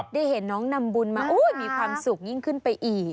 ได้เห็นน้องนำบุญมามีความสุขยิ่งขึ้นไปอีก